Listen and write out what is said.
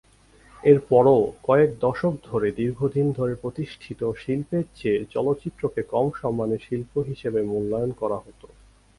এরপরও কয়েক দশক ধরে দীর্ঘদিন ধরে প্রতিষ্ঠিত শিল্পের চেয়ে চলচ্চিত্রকে কম সম্মানের শিল্প হিসেবে মূল্যায়ন করা হত।